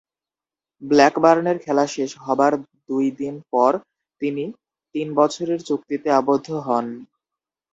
ব্ল্যাকবার্নের খেলা শেষ হবার দুই দিন পর তিনি তিন বছরের চুক্তিতে আবদ্ধ হন।